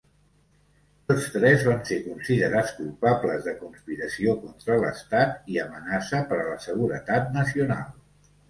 Tots tres van ser considerats culpables de conspiració contra l'Estat i amenaça per a la seguretat nacional.